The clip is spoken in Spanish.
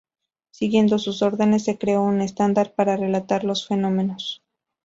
Siguiendo sus órdenes, se creó un estándar para relatar los fenómenos.